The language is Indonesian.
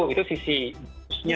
itu sisi biologisnya